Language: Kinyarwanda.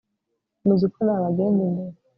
muzi ko nabagendaga imbere